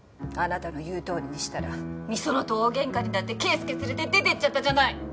あなたの言うとおりにしたら美園と大喧嘩になって啓介連れて出てっちゃったじゃない！